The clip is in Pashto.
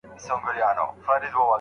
ستا د هري شېبې واک د خپل بادار دی